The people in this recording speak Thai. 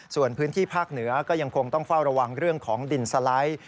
ส่วนพื้นที่ภาคเหนือก็ยังคงต้องเฝ้าระวังเรื่องของดินสไลด์